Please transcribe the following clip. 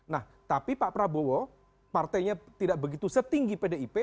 nah tapi pak prabowo partainya tidak begitu setinggi pdip